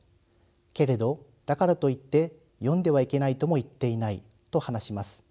けれどだからといって読んではいけないとも言っていない」と話します。